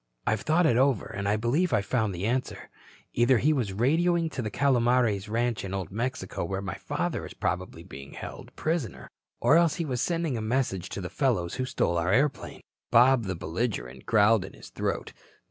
I've thought it over and I believe I've found the answer. Either he was radioing to the Calomares ranch in Old Mexico where father probably is held a prisoner, or else he was sending a message to the fellows who stole our airplane." Bob, the belligerent growled in his throat.